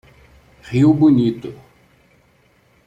Rio Bonito